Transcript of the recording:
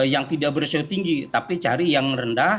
yang tidak beresiko tinggi tapi cari yang rendah